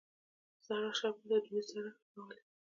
سړه شربت د دوبی سړښت راولي